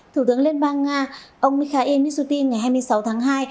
thủ tướng liên bang nga ông mikhail mishutin ngày hai mươi sáu tháng hai